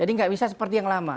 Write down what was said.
jadi nggak bisa seperti yang lama